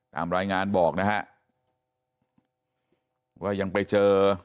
ตามรายงานบอกนะฮะว่ายังไปเจอ